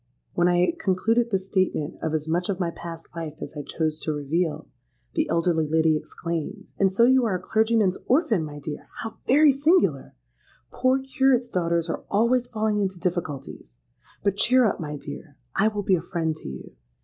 When I had concluded this statement of as much of my past life as I chose to reveal, the elderly lady exclaimed, 'And so you are a clergyman's orphan, my dear? How very singular! Poor curates' daughters are always falling into difficulties. But cheer up, my dear: I will be a friend to you.